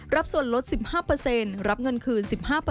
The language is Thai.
ส่วนลด๑๕รับเงินคืน๑๕